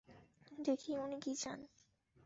দেখি উনি কী চান।